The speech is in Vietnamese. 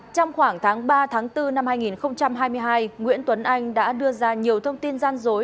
trong khoảng tháng ba bốn hai nghìn hai mươi hai nguyễn tuấn anh đã đưa ra nhiều thông tin gian dối